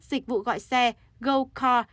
dịch vụ gọi xe gocar